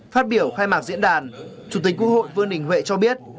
phát biểu khai mạc diễn đàn chủ tịch quốc hội vương đình huệ cho biết